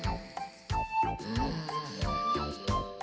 うん。